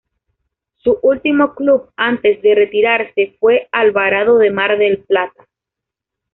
Su último club antes de retirarse fue Alvarado de Mar del Plata.